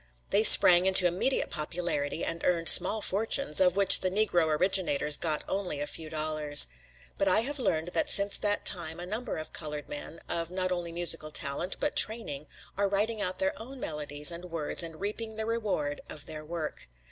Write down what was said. They sprang into immediate popularity and earned small fortunes, of which the Negro originators got only a few dollars. But I have learned that since that time a number of colored men, of not only musical talent, but training, are writing out their own melodies and words and reaping the reward of their work.